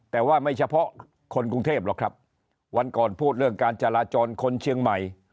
แต่ว่าไม่เฉพาะคนกรุงเทพหรอกครับวันก่อนพูดเรื่องการจราจรคนเชียงใหม่